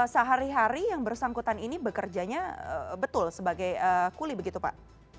sehari hari yang bersangkutan ini bekerjanya betul sebagai kuli begitu pak